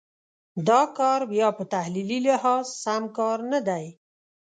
دا کار بیا په تحلیلي لحاظ سم کار نه دی.